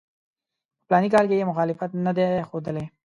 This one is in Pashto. په فلاني کال کې یې مخالفت نه دی ښودلی.